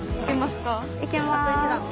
いけますか？